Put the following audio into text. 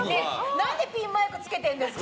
何でピンマイクつけてるんですか！